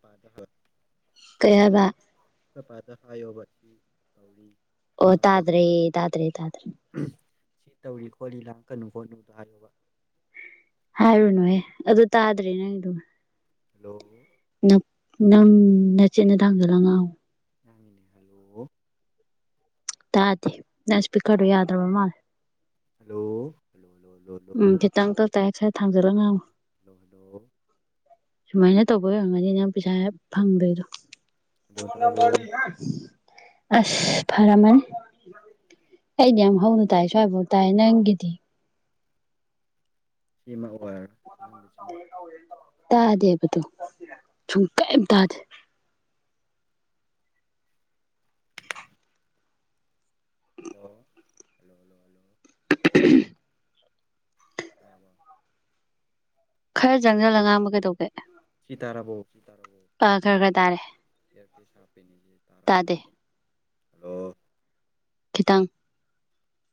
ꯄꯥꯗ ꯍ ꯀꯩ ꯍꯥꯏꯕ ꯈꯣꯏ ꯄꯥꯗ ꯍꯥꯏꯌꯣꯕ [unintelligible] ꯇꯧꯔꯤ ꯑꯣ ꯂꯥꯡꯉꯛꯀꯅꯨ ꯇꯥꯗ꯭ꯔꯦ ꯇꯥꯗ꯭ꯔꯦ ꯇꯥꯗ꯭ꯔꯦ ꯁꯤ ꯇꯧꯔꯤ ꯈꯣꯠꯂꯤ ꯂꯥꯡꯉꯛ ꯀꯅꯨ ꯈꯣꯠꯅꯨꯗꯣ ꯍꯥꯏꯌꯣꯕ ꯍꯥꯏꯔꯨꯅꯨꯍꯦ ꯑꯗꯨ ꯇꯥꯗ꯭ꯔꯦ ꯅꯪꯒꯤꯗꯨꯝ ꯍꯜꯂꯣ ꯅ ꯅꯪ ꯅꯆꯤꯟꯗ ꯇꯥꯡꯖꯜꯂ ꯉꯥꯡꯉꯣ ꯉꯤꯏꯅꯦ ꯍꯜꯂꯣ ꯇꯥꯗꯦ ꯅꯪ ꯁ꯭ꯄꯤꯀꯔꯗꯨ ꯌꯥꯗ꯭ꯔꯕ ꯃꯥꯜꯂꯦ ꯍꯜꯂꯣ ꯍꯂꯣ ꯎꯝ ꯈꯤꯇꯪꯈꯛ ꯇꯥꯏ ꯈꯔ ꯊꯥꯡꯖꯜꯂ ꯉꯥꯡꯉꯣ ꯍꯜꯂꯣ ꯍꯜꯂꯣ ꯁꯨꯃꯥꯏꯅ ꯇꯧꯕꯩ ꯑꯣꯏꯔꯝꯒꯅꯤ ꯅꯪ ꯄꯩꯁꯥ ꯌꯥꯝ ꯐꯪꯗꯣꯏꯗꯣ ꯍꯜꯂꯣ ꯇꯥꯔꯕꯣ [unintelligible] ꯑꯁ ꯐꯔꯝꯃꯅꯤ ꯑꯩꯗꯤ ꯌꯥꯝ ꯍꯧꯅ ꯇꯥꯏ ꯁ꯭ꯋꯥꯏꯐꯥꯎ ꯇꯥꯏ ꯅꯪꯒꯤꯗꯤ ꯁꯤꯃ ꯑꯣꯏꯔ [inaudible] ꯇꯥꯗꯦꯕꯗꯨ ꯁꯨꯡ ꯀꯦꯝ ꯇꯥꯗꯦ ꯍꯜꯂꯣ ꯍꯜꯂꯣ ꯍꯜꯂꯣ ꯍꯜꯂꯣ [unintelligible] ꯇꯥꯕ ꯈꯔ ꯆꯪꯅꯂ ꯉꯥꯡ ꯑꯃ ꯀꯩꯗꯧꯒꯦ ꯁꯤꯤ ꯇꯔꯥꯔꯕꯣ ꯆꯤ ꯇꯔꯥꯔꯕꯣ ꯑꯥ ꯈꯔ ꯈꯔ ꯇꯥꯔꯦ ꯑꯦꯌꯥꯔꯄꯤꯦꯁ ꯍꯥꯞꯄꯤꯅꯤꯁꯦ ꯇꯥꯔꯕ ꯇꯥꯗꯦ ꯅꯠꯇ꯭ꯔꯣ ꯍꯂꯣ ꯈꯤꯇꯥꯡ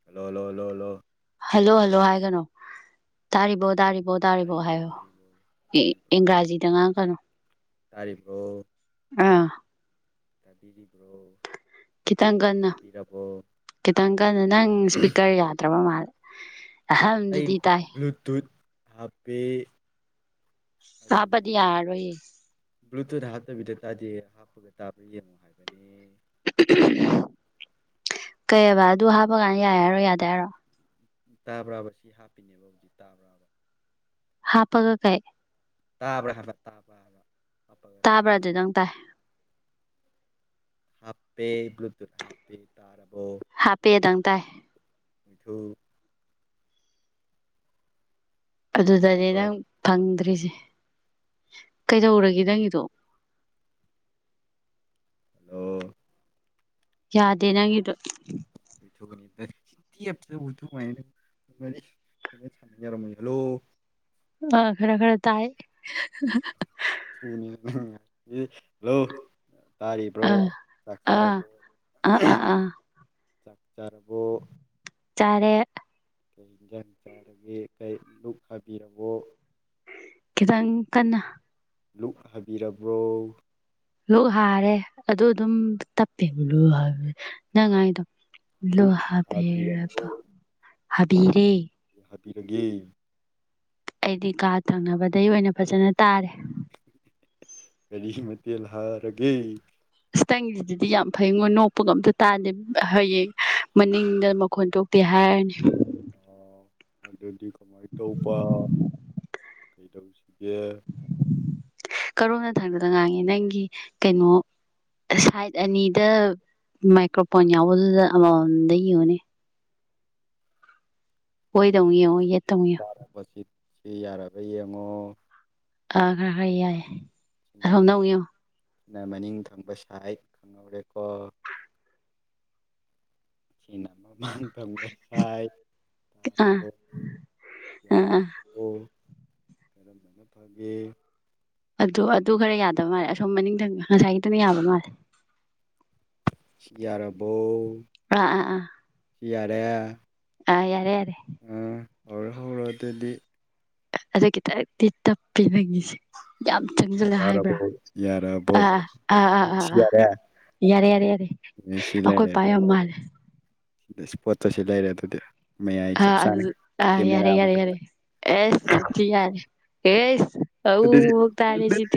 ꯍꯂꯣ ꯂꯣ ꯂꯣ ꯂꯣ ꯍꯜꯂꯣ ꯍꯜꯂꯣ ꯍꯥꯏꯒꯅꯣ ꯇꯥꯔꯤꯕꯣ ꯇꯥꯔꯤꯕ ꯇ ꯇꯥꯔꯤꯕꯣ ꯍꯥꯏꯌꯣ ꯏꯪꯒ꯭ꯔꯥꯖꯤꯗ ꯉꯥꯡꯉꯛ ꯀꯅꯨ ꯇꯥꯔꯤ ꯐꯣ ꯑꯥ ꯇꯥꯕꯤꯔꯤꯕ꯭ꯔꯣ ꯈꯤꯇꯪ ꯆꯥꯛ ꯀꯟꯅ ꯆꯥꯕꯤꯔꯕꯣ ꯈꯤꯇꯪ ꯀꯟꯅ ꯅꯪ ꯏꯁꯄꯤꯀꯔ ꯌꯥꯗ꯭ꯔꯕ ꯃꯥꯜꯂꯦ ꯑꯩ ꯑꯍꯝꯗꯨꯗꯤ ꯇꯥꯏ ꯕ꯭ꯂꯨꯇꯨꯠ ꯍꯥꯞꯄꯦ ꯑꯗꯨꯒꯤ ꯑꯕꯗꯤꯌꯥ ꯍꯥꯏꯔ ꯑꯣꯏꯏ ꯕ꯭ꯂꯨꯇꯨꯠ ꯍꯥꯞꯇꯕꯤꯗ ꯇꯥꯗꯦ ꯍꯥꯞꯄꯒ ꯇꯥꯕ ꯌꯦꯡꯉꯨ ꯍꯥꯏꯕꯅꯤ ꯀꯩꯑꯕ ꯑꯗꯨ ꯍꯥꯞꯄ ꯀꯥꯟꯗ ꯌꯥꯏ ꯍꯥꯏꯔꯣ ꯌꯥꯗꯦ ꯍꯥꯏꯔꯣ ꯇꯥꯕ꯭ꯔꯥꯕ ꯁꯤ ꯍꯥꯞꯄꯤꯅꯦꯕ ꯍꯧꯖꯤꯛ ꯇꯥꯕ꯭ꯔꯥꯕ ꯍꯥꯥ ꯄꯒ ꯀꯥꯏ ꯇꯥꯕ꯭ꯔ ꯍꯥꯏꯕ ꯇꯥꯕꯕ ꯇꯥꯕ꯭ꯔꯥ ꯑꯗꯨꯗꯪ ꯇꯥꯏ ꯍꯥꯞꯇꯦ ꯕ꯭ꯂꯨꯇꯨꯠ ꯍꯥꯞꯇꯦ ꯇꯥꯔꯕꯥ ꯍꯥꯞꯄꯦꯗꯪ ꯇꯥꯏ ꯄꯤꯨ ꯁꯤ ꯑꯗꯨꯗꯗꯤ ꯇꯥꯕ꯭ꯔꯣ ꯅꯪ ꯐꯪꯗ꯭ꯔꯤꯁꯦ ꯀꯩꯗꯧꯔꯒꯦ ꯅꯪꯒꯤꯗꯣ ꯍꯜꯂꯣ ꯌꯥꯗꯦ ꯅꯪꯗ ꯨ ꯃ ꯁ ꯃꯣꯏ ꯍꯜꯂꯣ ꯑ ꯈꯔ ꯈꯔ ꯇꯥꯏ ꯄꯨꯅ ꯍꯂꯣ ꯇꯥꯔꯤꯕ꯭ꯔꯣ ꯑꯥ ꯑꯥ ꯆꯥꯛꯆꯥꯥꯔꯔꯕꯣ ꯆꯥꯛ ꯆꯥꯔ ꯇꯥꯔꯦ ꯀꯩ ꯌꯦꯟꯁꯥꯡ ꯆꯥꯔꯒꯦ ꯀꯩ ꯂꯨꯞ ꯊꯕꯤꯔꯔꯕꯣ ꯈꯤꯇꯪ ꯀꯟꯅ ꯂꯛ ꯍꯥꯏꯕꯤꯔꯕ꯭ꯔꯣ ꯂꯣꯛ ꯍꯥꯔꯦ ꯑꯗꯨ ꯑꯗꯨꯝ ꯇꯞꯄꯦꯕ ꯅꯪ ꯍꯥꯏꯥꯏꯗꯣ ꯣ ꯂꯨꯛ ꯍꯥꯕꯔ ꯍꯥꯕꯤꯔꯕ꯭ꯔꯣ ꯍꯥꯕꯤꯔꯦ ꯄꯤꯔꯒꯦ ꯑꯩꯗꯤ ꯀꯥ ꯊꯪꯅꯕꯗꯩ ꯑꯣꯏꯅ ꯐꯖꯅ ꯇꯥꯔꯦ ꯀꯔꯤ ꯃꯊꯦꯜ ꯍꯥꯥꯔꯒꯦ ꯏꯁ ꯅꯪꯒꯤꯗꯨꯗꯤ ꯌꯥꯝ ꯐꯩꯉꯣꯏ ꯅꯣꯛꯄꯒ ꯑꯝꯇ ꯇꯥꯗꯦ ꯍꯌꯦꯡ ꯃꯅꯤꯡꯗ ꯃꯈꯣꯟ ꯊꯣꯛꯇꯦ ꯍꯥꯏꯔꯅꯤ ꯑ ꯑꯗꯨꯗꯤ ꯀꯃꯥꯏꯅ ꯇꯧꯕ ꯀꯩꯗꯧꯁꯤꯒꯦ ꯀꯔꯣꯝꯅ ꯊꯥꯡꯗꯅ ꯉꯥꯡꯉꯦ ꯅꯪꯒꯤ ꯀꯩꯅꯣ ꯁꯥꯏꯠ ꯑꯅꯤꯗ ꯃꯥꯏꯀ꯭ꯔꯣꯐꯣꯟ ꯌꯥꯎꯕꯗꯨꯗ ꯑꯃꯃꯝꯗ ꯌꯦꯡꯎꯅꯦ ꯑꯣꯏꯗ ꯑꯃꯨꯛ ꯌꯦꯡꯉꯨ ꯌꯦꯠ [unintelligible] ꯁꯤ ꯌꯥꯔꯕ ꯌꯦꯡꯉꯣ ꯑ ꯈꯔ ꯈꯔ ꯌꯥꯏ ꯁꯤꯅ ꯑꯁꯣꯝꯗ ꯃꯅꯤꯡ ꯑꯃꯨꯛ ꯌꯦꯡꯎ ꯁꯤꯅ ꯃꯅꯤꯡ ꯊꯪꯕ ꯁꯥꯏꯠ ꯈꯪꯍꯧꯔꯦꯀꯣ ꯁꯤꯅ ꯑꯃꯨꯛ ꯃꯥꯡꯊꯪꯕꯁꯥꯏ ꯑꯥ ꯇꯥꯔꯕꯣ ꯑꯥ ꯑꯥ ꯌꯥꯔꯕꯣ ꯀꯔꯝꯕꯅ ꯐꯒꯦ ꯑꯗꯨ ꯑꯗꯨ ꯈꯔ ꯌꯥꯗꯕ ꯃꯥꯜꯂꯦ ꯑꯁꯣꯝ ꯃꯅꯤꯡꯊꯪ ꯉꯁꯥꯏꯒꯤꯗꯨꯅ ꯌꯥꯕ ꯃꯥꯜꯂꯦ ꯁꯤ ꯌꯥꯔꯞ ꯑ ꯑ ꯑ ꯗꯦ ꯑ ꯌꯥꯔꯦ ꯌꯥꯔꯦ ꯍꯧꯔꯣ ꯍꯧꯔꯣ ꯑꯗꯨꯗꯤ ꯑꯗꯨ ꯈꯤꯠꯇꯪꯗꯤ ꯇꯞꯄꯤ ꯅꯪꯒꯤꯁꯤ ꯌꯥꯝ ꯆꯪꯁꯤꯜꯂ ꯌꯥꯔꯕꯣ ꯍꯥꯏꯕ꯭ꯔꯥ ꯌꯥꯔꯕꯣ ꯑ ꯑꯥ ꯑꯥ ꯑꯥ ꯑꯥ ꯁꯤ ꯑꯥ ꯌꯥꯔꯦ ꯌꯥꯔꯦ ꯌꯥꯔꯦ ꯌꯥꯔꯦ ꯑꯦ ꯁꯤ ꯑꯩꯈꯣꯏ ꯂꯩꯔꯦ ꯄꯥ ꯑꯗꯨꯗꯤ ꯌꯥꯝ ꯃꯥꯜꯂꯦ ꯁꯤꯗ ꯏꯁ ꯄꯣꯠꯆ ꯑꯁꯤ ꯂꯩꯔꯦ ꯑꯗꯨꯗꯤ ꯃꯌꯥꯏ ꯆꯞ ꯑꯥ ꯑꯗꯨ ꯆꯥꯅ ꯑꯥ ꯌꯥꯔꯦ ꯀꯦꯃꯦꯔꯥ ꯌꯥꯔꯦ ꯌꯥꯔꯦ ꯃꯊꯛꯇ ꯑꯦꯁ ꯌꯥꯝ ꯊꯤ ꯌꯥꯔꯦ ꯑꯗꯨꯗꯤ ꯑꯦꯁ ꯑꯗꯨꯗꯤ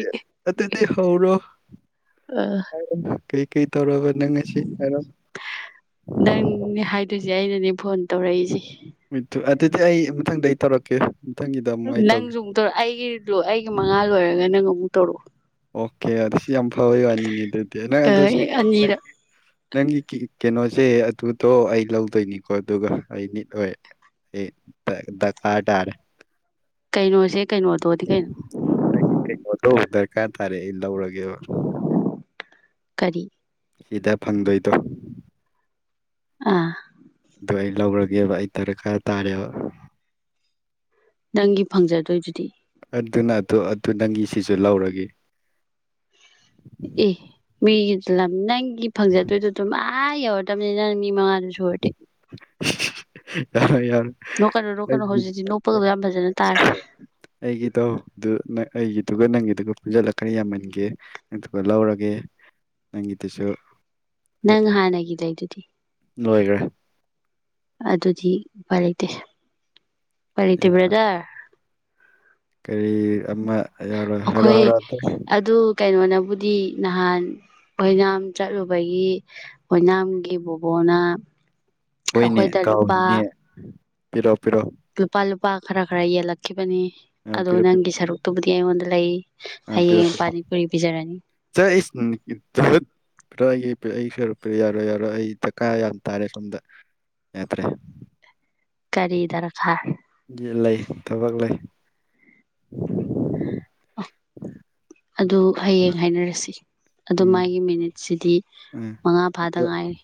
ꯑꯗꯨꯗꯤ ꯍꯧꯔꯣ ꯀꯔꯤ ꯀꯔꯤ ꯇꯧꯔꯕ ꯅꯪ ꯉꯁꯤ ꯍꯥꯏꯔꯣ ꯅꯪ ꯍꯥꯏꯗꯣꯏꯁꯦ ꯑꯩꯅꯅꯦ ꯐꯣꯟ ꯇꯧꯔꯛꯏꯁꯤ ꯑꯗꯨꯗꯤ ꯑꯩ ꯃꯊꯪꯗ ꯑꯩ ꯇꯧꯔꯛꯀꯦ ꯃꯊꯪꯒꯤꯗ ꯑꯃꯨꯛ ꯑꯩ ꯇꯧꯒꯦ ꯅꯪꯁꯨ ꯑꯃꯨꯛꯇꯧ ꯑꯩꯒꯤ ꯑꯩꯒꯤ ꯃꯉꯥ ꯂꯣꯏꯔꯒ ꯅꯪ ꯑꯃꯨꯛ ꯇꯩꯔꯛꯎ ꯑꯣꯀꯦ ꯑ ꯁꯤ ꯌꯥꯝ ꯐꯕꯩ ꯋꯥꯅꯤꯅꯦ ꯑꯗꯨꯗꯤ ꯅꯪ ꯑꯗꯣ ꯇꯧꯔꯛꯑꯣ ꯁꯤ ꯑꯅꯤꯔꯛ ꯅꯪꯒꯤ ꯀꯩꯅꯣꯁꯦ ꯑꯗꯨꯗꯣ ꯑꯩ ꯂꯧꯗꯣꯏꯅꯤꯀꯣ ꯑꯗꯨꯒ ꯑꯩ ꯅꯤꯠ ꯑꯣꯏ ꯑꯩ ꯗꯔꯀꯥꯔ ꯇꯥꯔꯦ ꯀꯩꯅꯣꯁꯦ ꯀꯩꯅꯣ ꯑꯗꯨꯗꯤ ꯀꯩꯅꯣ ꯗꯔꯀꯥ ꯇꯔꯦ ꯑꯩ ꯂꯧꯔꯒꯦ ꯒꯦꯕ ꯀꯔꯤ ꯁꯤꯗ ꯐꯪꯗꯣꯏꯗꯣ ꯑꯥ ꯑꯗꯨ ꯑꯩ ꯂꯧꯔꯒꯦꯕ ꯑꯩ ꯗꯔꯀꯥꯔ ꯇꯥꯔꯦꯕ ꯅꯪꯒꯤ ꯐꯪꯖꯗꯣꯏꯗꯨꯗꯤ ꯑꯗꯨꯅ ꯑꯗꯨ ꯑꯗꯨ ꯅꯪꯒꯤ ꯁꯤꯁꯨ ꯂꯧꯔꯒꯦ ꯏ ꯃꯤꯒꯤ ꯂꯝ ꯅꯪ ꯑꯩꯒꯤ ꯐꯪꯖꯗꯣꯏꯗꯨꯗꯨꯝ ꯃꯥ ꯑ ꯌꯧꯔꯗꯝꯃꯤ ꯅꯪ ꯃꯤ ꯃꯉꯥ ꯁꯨꯔꯗꯤ ꯌꯥꯔꯣꯏ ꯌꯥꯔꯣꯏ ꯅꯣꯛꯀꯅꯨ ꯅꯣꯛꯀꯅꯨ ꯑꯩꯒꯤ ꯍꯧꯖꯤꯛꯇꯤ ꯅꯣꯛꯄꯒ ꯌꯥꯝ ꯐꯖꯅ ꯇꯥꯔꯦ ꯑꯩꯒꯤꯗꯣ ꯑꯗꯨ ꯑꯩꯒꯤꯗꯨꯒ ꯅꯪꯒꯤꯗꯨꯒ ꯄꯨꯟꯁꯤꯜꯂ ꯈꯔ ꯌꯥꯝꯃꯟꯒꯦ ꯑꯗꯨꯒ ꯂꯧꯔꯒꯦ ꯅꯪꯒꯤꯗꯨꯁꯨ ꯑꯩ ꯅꯪ ꯍꯥꯟꯅꯒꯤ ꯂꯩꯗꯨꯗꯤ ꯂꯣꯏꯈ꯭ꯔꯦ ꯑꯗꯨꯗꯤ ꯎꯄꯥꯏ ꯂꯩꯇꯦ ꯎꯄꯥꯏ ꯂꯩꯇꯦ ꯕ꯭ꯔꯥꯗꯔ ꯀꯔꯤ ꯑꯃ ꯌꯥꯔꯣꯏ ꯍꯥꯏꯔꯣ ꯍꯥꯏꯔꯣ ꯕꯨꯗꯤ ꯅꯍꯥꯟ ꯑꯣꯏꯅꯥꯝ ꯆꯠꯂꯨꯕꯒꯤ ꯑꯣꯏꯅꯥꯝꯒꯤ ꯕꯣꯕꯣꯅ ꯍꯣꯏꯅꯦ ꯑꯩꯈꯣꯏꯗ ꯂꯨꯄꯥ ꯀꯥꯎꯏꯅꯦ ꯄꯤꯔꯞ ꯂꯨꯄꯥ ꯂꯨꯄꯥ ꯈꯔ ꯈꯔ ꯌꯦꯜꯂꯛꯈꯤꯕꯅꯤ ꯑ ꯑꯗꯣ ꯄꯤꯔꯛꯑꯣ ꯅꯪꯒꯤ ꯁꯔꯨꯛꯇꯨꯕꯨꯗꯤ ꯑꯩꯉꯣꯟꯗ ꯂꯩ ꯑ ꯄꯤꯔꯣ ꯍꯌꯦꯡ ꯄꯣꯔꯣ ꯄꯥꯅꯤ ꯄꯨꯔꯤ ꯄꯤꯖꯔꯅꯤ ꯆꯠ ꯏꯁ ꯄꯨꯔꯥ ꯑꯩ ꯑꯩ ꯁꯔꯨꯛ ꯄꯤꯔꯣ ꯌꯥꯔꯣꯏ ꯌꯥꯔꯣꯏ ꯑꯩ ꯗ꯭ꯔꯀꯥ ꯌꯥꯝ ꯇꯥꯔꯦ ꯁꯣꯝꯗ ꯌꯥꯗ꯭ꯔꯦ ꯀꯔꯤ ꯗ꯭ꯔꯀꯥ ꯂꯩ ꯊꯕꯛ ꯂꯩ [inaudible] ꯑꯗꯨ ꯍꯌꯦꯡ ꯍꯥꯏꯅꯔꯁꯤ ꯑꯗꯣ ꯎꯝ ꯃꯥꯒꯤ ꯃꯤꯅꯤꯠꯁꯤꯗꯤ ꯎꯝ ꯃꯉꯥ ꯐꯥꯗ ꯑꯗꯨ ꯉꯥꯏꯔꯤ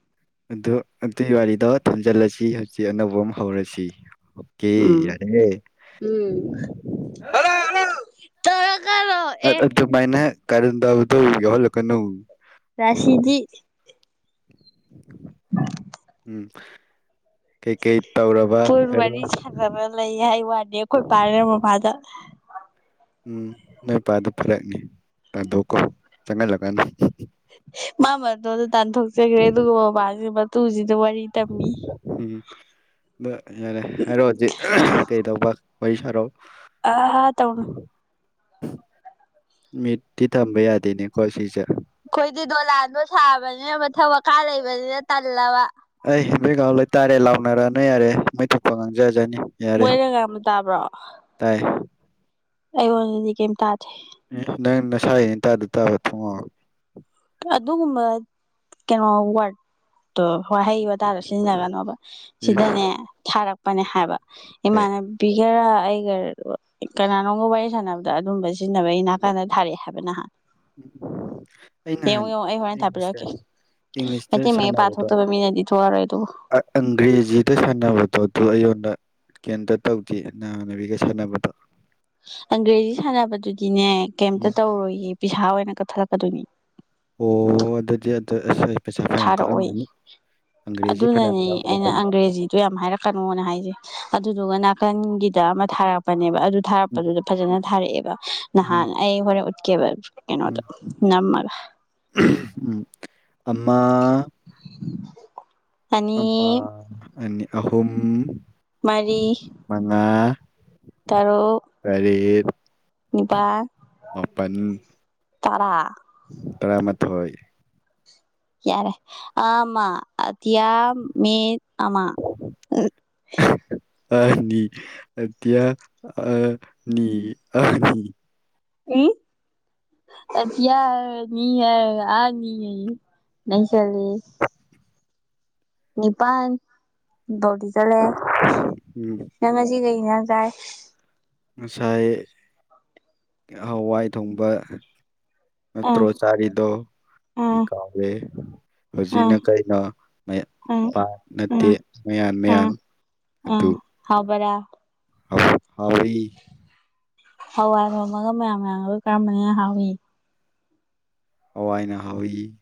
ꯑꯗꯨ ꯑꯗꯨꯒꯤ ꯋꯥꯔꯤꯗꯣ ꯊꯝꯖꯤꯜꯂꯁꯤ ꯍꯧꯖꯤꯛ ꯑꯅꯧꯕ ꯑꯃ ꯍꯧꯔꯁꯤ ꯑꯣꯀꯦ ꯎꯝ ꯌꯥꯔꯦ ꯎꯝ ꯍꯜꯂꯣ ꯍꯜꯂꯣ ꯇꯧꯔꯒꯔꯣ ꯑ ꯑꯦ ꯑꯗꯨꯃꯥꯏꯅ ꯀꯔꯟ ꯇꯥꯕꯗꯣ ꯌꯥꯎꯍꯟꯂꯛꯀꯅꯣ ꯔꯥꯁꯤꯗꯤ ꯎꯝ ꯀꯩ-ꯀꯩ ꯇꯧꯔꯕ ꯄꯨ ꯍꯥꯏꯔꯣ ꯋꯥꯔꯤ ꯁꯥꯟꯅꯔ ꯂꯩ ꯍꯥꯏ ꯋꯥꯅꯤ ꯑꯩꯈꯣꯏ ꯄꯥꯒꯥ ꯃꯃꯥꯗ ꯎꯝ ꯅꯣꯏ ꯄꯥꯗꯨ ꯐꯔꯛꯅꯤ ꯇꯥꯟꯊꯣꯛꯈꯣ ꯆꯡꯍꯜꯂꯀꯅꯨ꯫ ꯃꯥ ꯃꯗꯣꯟꯗ ꯇꯥꯟꯊꯣꯀꯆꯥꯒ꯭꯭ꯔꯦ ꯑꯗꯨꯒ ꯕꯥꯕꯥꯁꯦ ꯃꯛ ꯇꯨꯖꯤꯠ ꯎꯝ ꯑꯗ ꯌꯥꯔꯦ ꯍꯥꯏꯔꯣ ꯍꯧꯖꯤꯛ ꯀꯩꯗꯧꯕ꯫ ꯋꯥꯔꯤ ꯁꯥꯔꯣ꯫ ꯑ ꯍꯥꯥ ꯇꯧꯅꯨ꯫ ꯃꯤꯠꯇꯤ ꯇꯝꯕ ꯌꯥꯗꯦꯅꯦꯀꯣ ꯁꯤꯁꯦ꯫ ꯑꯩꯈꯣꯏꯗꯤ ꯗꯣꯂꯥꯟꯗꯣ ꯁꯥꯕꯅꯤꯅ ꯃꯊꯛ ꯃꯈꯥ ꯂꯩꯕꯅꯤꯅ ꯇꯜꯂꯦꯕ꯫ ꯑꯩ ꯕꯩꯒꯥꯎ ꯂꫭꯏꯇꯥꯔꯦ ꯂꯥꯎꯅꯔꯅꫭ ꯌꯥꯔꯦ ꯃꯩ ꯊꯣꯛꯄ ꯉꯥꯡꯖꯔ ꯃꯣꯏꯅ ꯉꯥꯡꯕ ꯇꯥꯕ꯭ꯔꯣ꯫ ꯇꯥꯏ ꯑꯩꯉꫭꯟꯗꯗꯤ ꯀꯩꯝ ꯇꯥꯗꯦ꯫ ꯑꯦ ꯅꯪ ꯅꯁꯥꯏꯟꯇꯥꯥꯗ ꯇꯥꯕ ꯊꯣꯡꯉꯥꯎ꯫ ꯑꯗꯨꯒꯨꯝꯕ ꯀꯩꯅꯣ ꯋꯥꯠꯇꯣ ꯍꯣꯏꯍꯩ ꯋꯥꯇꯥꯗꯣ ꯁꯤꯖꯤꯟꯅꯒꯅꯣꯕ ꯏꯁ ꯁꯤꯗꯅꯦ ꯊꯥꯔꯛ ꯄꯅꯦ ꯍꯥꯏꯕ ꯀꯩ ꯏꯃꯅꯕꯤꯒꯔꯥ ꯑꯩꯒ ꯀꯅꯥꯅꯣꯝꯒ ꯋꯥꯔꯤ ꯁꯥꯟꯅꯕꯗ ꯑꯗꯨꯝꯕ ꯁꯤꯖꯤꯟꯅꯕꯒꯤ ꯅꯥꯀꯥꯟꯗ ꯊꯥꯔꯛꯑꯦ ꯍꯥꯏꯕ ꯅꯍꯥꯟ꯫ [inaudible] ꯑꯩ ꯅꯍꯥꯟ ꯌꯦꯡꯉꯣ ꯌꯦꯡꯉꯣ ꯑꯩ ꯍꯣꯔꯦꯟ ꯊꯥꯕꯤꯔꯛꯀꯦ ꯏꯡꯂꯤꯁꯇ ꯃꯩꯇꯩ ꯃꯌꯦꯛ ꯁꯥꯟꯅꯕꯗꯣ ꯄꯥꯊꯣꯛꯇꯕ ꯃꯤꯅꯗꯤ ꯊꯣꯛꯑꯔꯣꯏ ꯑꯗꯨꯕꯨ ꯑꯡꯒ꯭ꯔꯦꯖꯤꯗ ꯁꯥꯟꯅꯕꯗꯣ ꯑꯗꯨ ꯑꯩꯉꯣꯟꯗ ꯀꯩꯝꯇ ꯇꯧꯗꯦ ꯅꯥꯥꯍꯥꯟ ꯅꯕꯤꯒ ꯁꯥꯟꯅꯕꯗꯣ꯫ ꯑꯡꯒ꯭ꯔꯦꯖꯤ ꯁꯥꯟꯅꯕꯗꯨꯗꯤꯅꯦ ꯀꯩꯝꯇ ꯎꯝ ꯇꯧꯔꯣꯏꯌꯦ ꯄꯩꯁꯥ ꯑꯣꯏ ꯅ ꯀꯊꯂꯀꯗꯣꯏꯅꯤ ꯑꯣ ꯑꯗꯨꯗꯤ ꯑꯗꯨꯁꯣꯏ ꯊꯥꯔꯛꯑꯣꯏ ꯑꯪꯒ꯭ꯔꯦꯖꯤ ꯐꯅꯌꯥꯝ ꯑꯗꯨꯅꯅꯤ ꯑꯩꯅ ꯌꯥꯎꯒꯗꯕꯅꯤ ꯑꯡꯒ꯭ꯔꯦꯖꯤꯗꯣ ꯌꯥꯝ ꯍꯥꯏꯔꯛꯀꯅꯣꯅ ꯍꯥꯏꯁꯦ ꯑꯗꯨꯗꯨꯒꯅ ꯀꯟꯒꯤꯗ ꯑꯃ ꯊꯥꯔꯛꯄꯅꯦꯕ ꯑꯗꯨ ꯎꯝ ꯊꯥꯔꯛꯄꯗꯨꯗ ꯐꯖꯅ ꯊꯥꯔꯛꯑꯦꯕ ꯎꯝ ꯅꯍꯥꯟ ꯑꯩ ꯍꯣꯔꯦꯟ ꯎꯠ ꯀꯦꯕ ꯎꯝ ꯀꯩꯅꯣꯗꫭ ꯅꯝꯑꯒ ꯎꯝ ꯑꯃꯥ ꯑꯃꯥ ꯑꯅꯤ ꯑꯅꯤ ꯑꯍꯨꯝ ꯃꯔꯤ ꯃꯉꯥ ꯇꯔꯨꯛ ꯅꯤꯄꯥꯜ ꯃꯥꯄꯟ ꯇꯔꯥ ꯇꯔꯥꯃ ꯊꯣꯏ ꯌꯥꯔꯦ ꯑꯃ ꯑ ꯃ ꯑꯃ ꯑꯅꯤ ꯑ ꯑꯅꯤ ꯑꯅꯤ ꯑ ꯅꯤ ꯍꯥꯏꯔꯒ ꯑ ꯅꯤ ꯍꯥꯏꯌꯦ ꯅꯩꯁꯜꯂꯤ ꯅꯤꯄꯥꯟ ꯗꯣꯗꯤ ꯆꯠꯂꯦ ꯎꯝ ꯅꯪ ꯉꯁꯤ ꯀꯩ ꯀꯩꯏꯪꯖꯥꯡ ꯆꯥꯏ ꯉꯁꯥꯏ ꯍꯋꯥꯏ ꯊꯣꯡꯕ ꯑꯥ ꯅꯠꯇ꯭ꯔꯣ ꯆꯥꯔꯤꯗꯣ ꯑꯩ ꯑꯥ ꯀꯥꯎꯔꯦ ꯑꯥ ꯍꯧꯖꯤꯛꯅ ꯀꯩꯅꯣ ꯑꯥ ꯄ ꯅꯠꯇꯦ ꯑꯥ ꯃꯌꯥꯟ ꯑꯥ ꯃꯌꯥꯟ ꯑꯗꯨ ꯑꯥ ꯍꯥꯎꯕꯔꯥ ꯍꯧꯏ ꯍꯋꯥꯏ ꯊꯣꯡꯕꯒ ꯃꯌꯥꯝ ꯃꯌꯥꯝꯒ ꯀꯔꯝꯕꯅ ꯍꯦꯟꯅ ꯍꯥꯎꯏꯤ ꯍꯋꯥꯏꯅ ꯍꯥꯎꯏ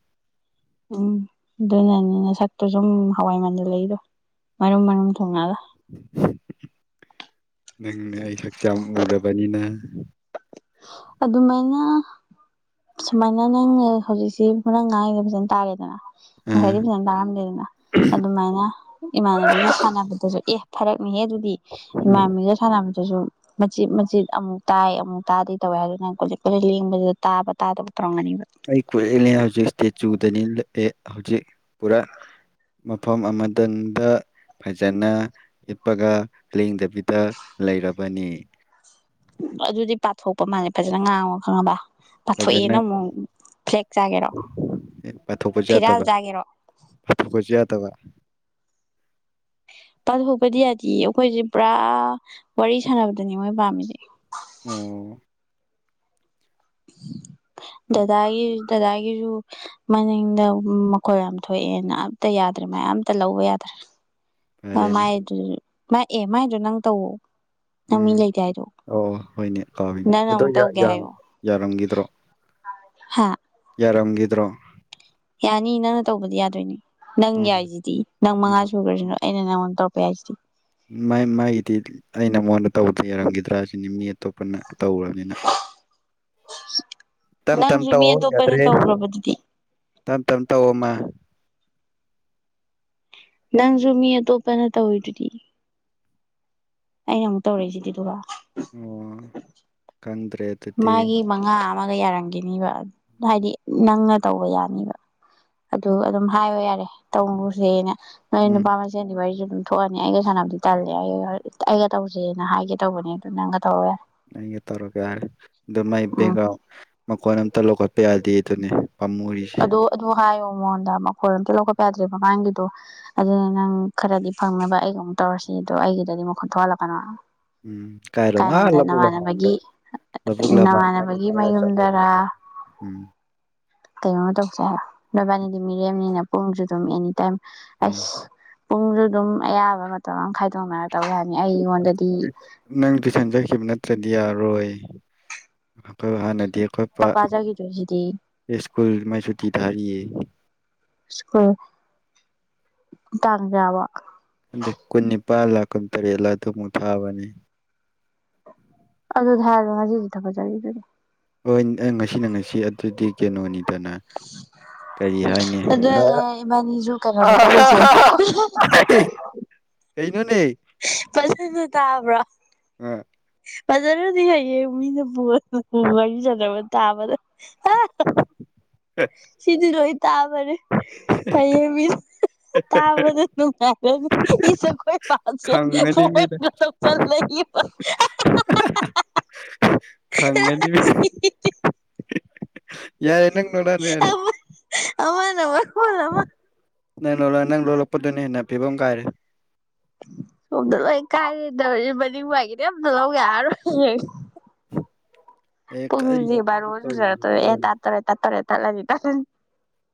ꯎꯝ ꯑꯗꯨꯅꯅꯤꯅ ꯅꯁꯛꯇꯨ ꯁꯨꯝ ꯍꯋꯥꯏꯃꯟꯖꯟꯂꯛꯏꯗꯨ ꯃꯔꯨꯝ ꯃꯔꯨꯝ ꯊꯨꯡꯉꯒ [unintelligible] ꯅꯪꯅ ꯑꯩ ꯍꯛꯆꯥꯡ ꯎꯔꯕꯅꯤꯅ ꯑꯗꯨꯃꯥꯏꯅ ꯁꯨꯃꯥꯏꯅ ꯅꯪ ꯍꯧꯖꯤꯛꯁꯤ ꯉꯥꯡꯏꯗꯨ ꯐꯖꯅ ꯇꯥꯔꯦꯗꯅ ꯑ ꯉꯁꯥꯏꯗꯤ ꯐꯖꯅ ꯇꯥꯔꯝꯗꯦꯗꯅ ꯑꯗꯨꯃꯥꯏꯅ ꯏꯃꯥꯟꯅꯕꯤꯅ ꯁꯥꯟꯅꯕꯗꯨꯁꯨ ꯑꯦ ꯐꯔꯛ ꯍꯦ ꯑꯗꯨꯗꯤ ꯎꯝ ꯏꯃꯥꯟꯕꯤꯒ ꯁꯥꯅꯕꯗ ꯑꯗꯨꯁꯨ ꯃꯆꯤꯠ ꯃꯆꯤꯠ ꯑꯃꯨꯛ ꯇꯥꯏ ꯑꯃꯨꯛ ꯇꯥꯗꯦ ꯇꯧꯋꯦ ꯑꯗꯨ ꯅꯪ ꯀꯣ ꯀꯣꯏꯂꯦꯡ ꯂꯦꯡꯕꯗꯨꯗ ꯇꯥꯕ ꯇꯥꯗꯕ ꯇꯧꯔꯝꯒꯅꯤꯕ ꯑꯩ ꯀꯣꯏꯂꯦꯡ ꯂꯦꯡꯕ ꯆꯨꯗꯅꯤ ꯍꯧꯖꯤꯛ ꯄꯨꯔꯥ ꯃꯐꯝ ꯑꯃꯗꯪꯗ ꯐꯖꯅ ꯂꯦꯞꯄꯒ ꯂꯦꯡꯗꯕꯤꯗ ꯂꯩꯔꯕꯅꯤ ꯑꯗꯨꯗꯤ ꯄꯥꯊꯣꯛꯄ ꯃꯥꯜꯂꯦ ꯐꯖꯅ ꯉꯥꯡꯉꯣ ꯈꯪꯉꯕ ꯐꯖꯅ ꯄꯥꯊꯣꯛꯑꯦꯅ ꯑꯃꯨꯛ ꯐ꯭ꯂꯦꯛ ꯆꯥꯒꯦꯔꯣ ꯄꯥꯊꯣꯛꯄꯁꯨ ꯐꯤꯔꯥꯜ ꯆꯥꯒꯦꯔꯣ ꯗꯕ ꯄꯥꯊꯣꯛꯄꯗꯤ ꯌꯥꯗꯤ ꯑꯩꯈꯣꯏꯁꯦ ꯄꯨꯔꯥ ꯋꯥꯔꯤ ꯁꯥꯟꯅꯕꯗꯅꯤ ꯃꯣꯏ ꯄꯥꯝꯃꯤꯁꯦ ꯑꯣ ꯗꯗꯥꯒꯤ ꯗꯗꯥꯒꯤꯁꯨ ꯃꯅꯤꯡꯗ ꯃꯈꯣꯜ ꯌꯥꯝ ꯊꯣꯛꯑꯦꯅ ꯑꯝꯇ ꯌꯥꯗ꯭ꯔꯦ ꯃꯌꯥꯝ ꯑꯇ ꯂꯧꯕ ꯌꯥꯗ꯭ꯔꯦ ꯑ ꯐꯔꯦꯅꯦ ꯃꯥꯏꯗꯨꯁꯨ ꯃꯥ ꯑꯦ ꯃꯥꯏꯗꯣ ꯅꯪ ꯇꯧꯑꯣ ꯎꯝ ꯑꯣ ꯍꯣꯏꯅꯦ ꯀꯎꯏꯅꯦ ꯅꯪꯅ ꯑꯗꯣ ꯑꯃꯨꯛ ꯌꯥ ꯌꯥꯔ ꯔꯝꯒꯤꯗ꯭ꯔꯣ ꯍꯥꯥ ꯌꯥꯔꯝꯒꯗ꯭ꯔꯣ ꯌꯥꯅꯤ ꯅꯪꯅ ꯇꯧꯕꯗꯤ ꯌꯥꯗꯣꯏꯅꯤ ꯅꯪ ꯎꯝ ꯌꯥꯏꯁꯤꯗꯤ ꯅꯪ ꯎꯝ ꯃꯉꯥ ꯁꯨꯈ꯭ꯔꯁꯤ ꯑꯩꯅ ꯅꯉꯣꯟ ꯇꯧꯔꯛꯄ ꯌꯥꯏꯁꯤꯗꯤ ꯃꯥꯒꯤꯗꯤ ꯑꯩꯅ ꯃꯉꯣꯟꯗ ꯇꯧꯕꯗꯤ ꯌꯥꯔꯝꯈꯤꯗ꯭ꯔꯥ ꯁꯤꯅꯤ ꯃꯤ ꯑꯇꯣꯞꯄꯅ ꯇꯧꯒꯔꯥꯃꯤꯅ ꯅꯪꯁꯨ ꯃꯤ ꯑꯇꯣꯞꯄꯅ ꯌꯥꯗ꯭ꯔꯦ ꯇꯧꯈ꯭ꯔꯕꯗꯨꯗꯤ ꯇꯞ ꯇꯞ ꯇꯧꯑꯣ ꯃꯥ ꯅꯪꯁꯨ ꯃꯤ ꯑꯇꯣꯞꯄꯅ ꯇꯧꯏꯗꯨꯗꯤ ꯑꯩꯅ ꯑꯃꯨꯛ ꯇꯧꯔꯛꯏꯁꯤꯗꯤꯗꯨꯒ ꯑꯣ ꯈꯪꯗ꯭ꯔꯦ ꯑꯗꯨꯗꯤ ꯃꯥꯒꯤ ꯃꯉꯥ ꯑꯃꯒ ꯌꯥꯔꯝꯈꯤꯅꯤꯕ ꯍꯥꯏꯗꯤ ꯅꯪꯅ ꯇꯧꯕ ꯌꯥꯅꯤꯕ ꯑꯗꯨ ꯑꯗꯨꯝ ꯍꯥꯏꯌꯣ ꯌꯥꯔꯦ ꯇꯧꯅꯨꯁꯦꯅ ꯅꯣꯏ ꯎꯝ ꯅꯨꯄꯥ ꯃꯁꯦꯟꯗꯤ ꯋꯔꯤꯖꯨ ꯑꯗꯨꯝ ꯊꯣꯛꯑꯅꯤ ꯑꯩꯒ ꯁꯥꯟꯅꯕꯗꯤ ꯇꯜꯂꯦ ꯑꯩꯒ ꯑꯩꯒ ꯇꯧꯁꯦꯅ ꯍꯥꯏꯒꯦ ꯇꯧꯕꯅꯦ ꯑꯗꯨ ꯅꯪꯒ ꯇꯧꯔꯣ ꯌꯥꯔꯦ ꯑꯩꯒꯥ ꯇꯧꯔꯒꯥ ꯑꯗꯨꯃꯥꯏ ꯎꯝ ꯕꯦꯒ ꯃꯈꯣꯟ ꯑꯝꯇ ꯂꯧꯈꯠꯄ ꯌꯥꯗꯦ ꯑꯗꯨꯅꯤ ꯄꯥꯝꯃꯨꯔꯤꯁꯦ ꯑꯗꯨ ꯑꯗꯨ ꯍꯥꯏꯌꯣ ꯃꯉꯣꯟꯗ ꯃꯈꯣꯜ ꯑꯝꯇ ꯂꯧꯈꯠꯄ ꯌꯥꯗ꯭ꯔꯦ ꯃꯃꯥꯡꯒꯤꯗꯣ ꯑꯗꯨꯅ ꯅꯪ ꯈꯔꯗꯤ ꯐꯪꯅꯕ ꯑꯩꯒ ꯑꯃꯨꯛ ꯇꯧꯔꯁꯤ ꯑꯗꯣ ꯑꯩꯒꯤꯗꯗꯤ ꯃꯈꯣꯟꯠ ꯊꯣꯛꯍꯜꯂꯛꯀꯅꯣ ꯎꯝ ꯀꯥꯏꯔꯣ ꯀꯥꯏꯔꯣꯝꯗ ꯅꯃꯥꯟꯅꯕꯒꯤ ꯅꯃꯥꯟꯅꯕꯒꯤ ꯃꯌꯨꯝꯗꯔꯥ [unintelligible] [unintelligible] ꯅꯣꯏꯕꯥꯅꯤꯗꯤ ꯃꯤꯔꯦꯝꯅꯤꯅ ꯄꯨꯡꯁꯨ ꯑꯗꯨꯝ ꯑꯦꯅꯤ ꯇꯥꯏꯝ ꯎꯝ ꯑꯁ ꯄꯨꯡꯁꯨ ꯑꯗꯨꯝ ꯑꯌꯥꯕ ꯃꯇꯝ ꯑꯃ ꯈꯥꯏꯗꯣꯛꯅꯔ ꯇꯧ ꯌꯥꯅꯤ ꯑꯩꯉꯣꯟꯗꯗꯤ ꯁꯦꯝꯖꯈꯤꯕ ꯅꯠꯇ꯭ꯔꯗꯤ ꯌꯥꯔꯣꯏ ꯑꯩꯈꯣꯏ ꯍꯥꯟꯅꯗꯤ ꯈꯣꯏꯄꯥ ꯄꯄꯥ ꯆꯠꯈꯤꯗꯣꯏꯁꯤꯗꯤ ꯁ꯭ꯀꯨꯜ ꯃꯥꯏ ꯁꯨꯇꯤ ꯊꯥꯔꯤꯌꯦ ꯁꯀ꯭ꯨꯜ ꯇꯪ ꯀꯌꯥꯕꯧ ꯑꯗ ꯀꯨꯟꯅꯤꯄꯥꯜꯂ ꯀꯨꯟꯇꯔꯦꯠꯂ ꯑꯗꯨꯃꯨꯛ ꯊꯥꯕꯅꯤ ꯑꯗꯨꯗ ꯍꯥꯏꯔꯣ ꯉꯁꯤꯗꯤ ꯊꯕꯛ [unintelligible] ꯍꯣꯏ ꯑꯥ ꯉꯁꯤꯅ ꯉꯁꯤ ꯑꯗꯨꯗꯤ ꯀꯩꯅꯣꯅꯤ ꯠꯇꯅ ꯀꯔꯤ ꯍꯥꯏꯅꯤ ꯑꯗꯨꯒ ꯏꯕꯥꯅꯤꯁꯨ ꯀꯩꯅꯣꯗ ꯆꯠꯂꯨꯁꯦ ꯀꯩꯅꯣꯅꯦ ꯄꯁꯟ ꯇꯕ꯭ꯔꯥ ꯕꯖꯔꯗꯤ ꯍꯥꯏꯌꯦ ꯎꯅ ꯄꯨ ꯎ ꯆꯗꯕ ꯇꯥꯕꯗ ꯑ ꯁꯤꯗꯤ ꯔꯣꯍꯤ ꯇꯥꯕꯅꯦ ꯍꯌꯦꯡ ꯃꯤ ꯇꯥꯕꯗ ꯅꯨꯡꯉꯥꯏꯔꯅꯤ ꯏꯁꯁꯦ ꯑꯩꯈꯣꯏ ꯄꯜꯁꯦ ꯈꯪꯉꯅꯤ ꯃꯤ ꯄꯣꯠ ꯇꯣꯛ ꯆꯂ ꯆꯉꯗꯤ ꯌꯥꯏ ꯅꯪ ꯅꯣꯔ ꯌꯥꯔ ꯑꯃ ꯅ ꯋꯥꯈꯣꯅꯃ ꯅꯪ ꯂꯣꯛ ꯅꯪ ꯂꯣꯜꯂꯛꯄꯗꯨꯅ ꯍꯦꯟꯅ ꯄꯤꯕ ꯑꯃ ꯀꯥꯏꯔꯦ ꯁꯣꯝꯗ ꯂꯣꯏ ꯀꯥꯏꯒꯦ ꯇꯧ ꯃꯅꯤꯡ ꯋꯥꯏꯈꯤꯅꯦ ꯑꯝꯇ ꯂꯧꯒꯦ ꯍꯥꯏꯔꯣꯏ ꯑꯦ ꯄꯨꯡꯁꯤ ꯀꯔꯤꯅꯣ ꯅꯪ ꯕꯔꯣꯖꯨꯡꯖꯔ ꯇ ꯑꯦ ꯇꯧꯔꯤꯁꯤꯕꯣꯅ ꯇꯥꯥꯔꯦ ꯇꯥ ꯇꯔ ꯇꯂꯕꯤ ꯄꯊ